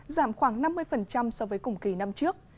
giảm khoảng năm mươi so với cùng kỳ năm trước